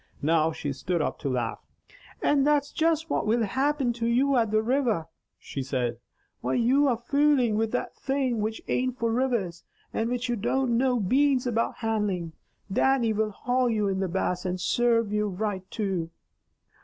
Now, she stood up to laugh. "And THAT'S just what will happen to you at the river," she said. "While you are foolin' with that thing, which ain't for rivers, and which you don't know beans about handlin', Dannie will haul in the Bass, and serve you right, too!"